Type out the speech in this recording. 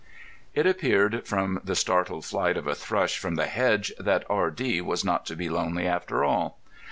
It appeared from the startled flight of a thrush from the hedge that R. D. was not to be lonely after all.